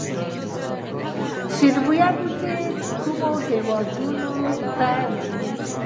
شیرین بویې بوټی کومو هیوادونو ته ځي؟